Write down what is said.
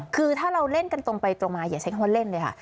คือถ้าเราเล่นกันตรงไปตรงมาอย่าใช้คำว่าเล่นเลยค่ะ